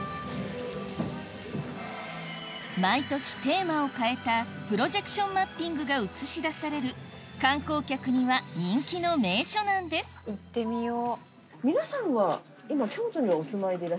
毎年テーマを変えたプロジェクションマッピングが映し出される観光客には人気の名所なんです行ってみよう。